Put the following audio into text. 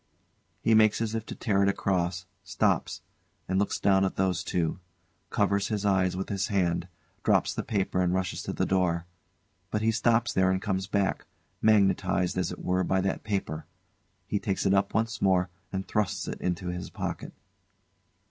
[He makes as if to tear it across, stops, and looks down at those two; covers his eyes with his hand; drops the paper and rushes to the door. But he stops there and comes back, magnetised, as it were, by that paper. He takes it up once more and thrusts it into his pocket.